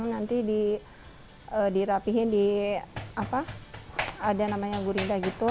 nanti dirapihin di apa ada namanya gurinda gitu